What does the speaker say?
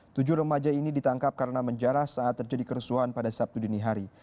tujuh remaja ini ditangkap karena menjarah saat terjadi kerusuhan pada sabtu dini hari